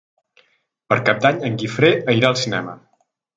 Per Cap d'Any en Guifré irà al cinema.